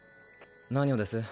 何をです？